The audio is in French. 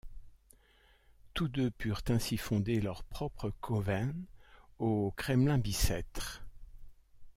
Tous deux purent ainsi fonder leur propre coven au Kremlin-Bicêtre.